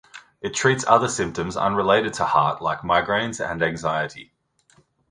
It treats other symptoms unrelated to heart like migraines and anxiety.